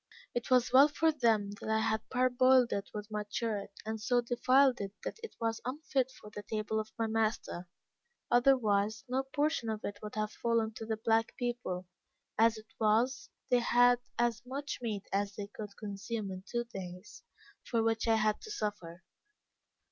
It was well for them that I had parboiled it with my shirt, and so defiled it that it was unfit for the table of my master, otherwise, no portion of it would have fallen to the black people as it was, they had as much meat as they could consume in two days, for which I had to suffer.